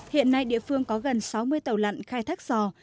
hiện nay địa phương có gần sáu mươi tàu lặn khai thác sò